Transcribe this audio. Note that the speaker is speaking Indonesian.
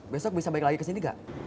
besok bisa balik lagi kesini nggak